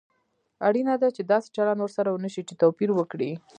اړینه ده چې داسې چلند ورسره ونشي چې توپير وکړي.